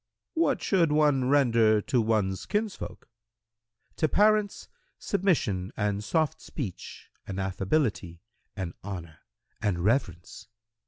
Q "What should one render to one's kinsfolk?"—"To parents, submission and soft speech and affability and honour and reverence.